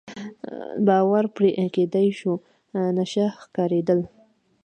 باور پرې کېدای شو، نشه ښکارېدل.